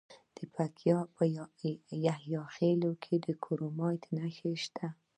د پکتیکا په یحیی خیل کې د کرومایټ نښې شته.